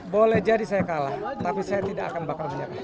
boleh jadi saya kalah tapi saya tidak akan bakar minyak